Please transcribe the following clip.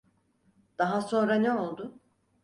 Daha sonra ne oldu?